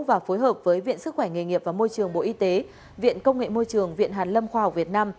và phối hợp với viện sức khỏe nghề nghiệp và môi trường bộ y tế viện công nghệ môi trường viện hàn lâm khoa học việt nam